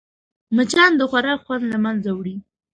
مچان د خوراک خوند له منځه وړي